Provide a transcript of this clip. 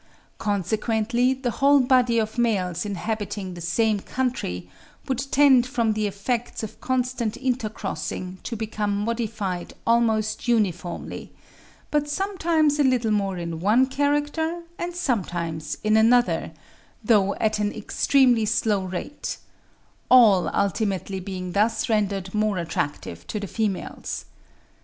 Consequently the whole body of males inhabiting the same country would tend from the effects of constant intercrossing to become modified almost uniformly, but sometimes a little more in one character and sometimes in another, though at an extremely slow rate; all ultimately being thus rendered more attractive to the females.